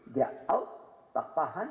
dia out tak tahan